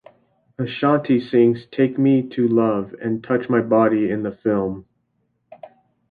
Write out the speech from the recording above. Ashanti sings "Take Me to Love" and "Touch My Body" in the film.